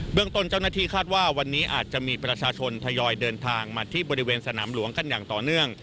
เรื่องต้นเจ้าหน้าที่คาดว่าวันนี้อาจจะมีประชาชนทยอยเดินทางมาที่บริเวณสนามหลวงกันอย่างต่อเนื่อง